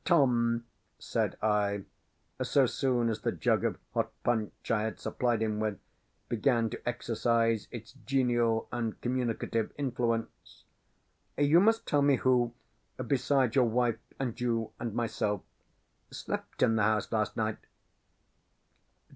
"Tom," said I, so soon as the jug of hot punch I had supplied him with began to exercise its genial and communicative influence; "you must tell me who beside your wife and you and myself slept in the house last night."